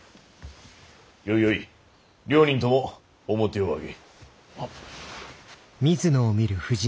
よいよい両人とも面を上げ。